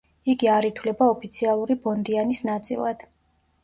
იგი არ ითვლება ოფიციალური ბონდიანის ნაწილად.